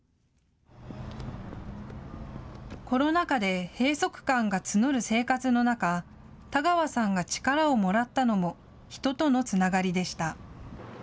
コロナ禍で閉塞感が募る生活の中、田川さんが力をもらったのも人とのつながりでした。